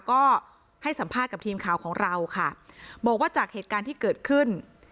ก็ให้สัมภาษณ์กับทีมข่าวของเราค่ะบอกว่าจากเหตุการณ์ที่เกิดขึ้น